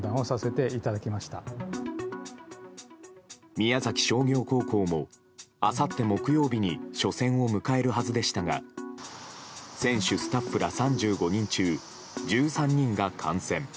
宮崎商業高校もあさって木曜日に初戦を迎えるはずでしたが選手、スタッフら３５人中１３人が感染。